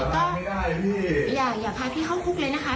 ได้พี่เข้ามาพี่จะมาส่งอะไรครับ